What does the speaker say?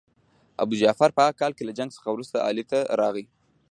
ابوجعفر په هغه کال له جنګ څخه وروسته علي ته راغی.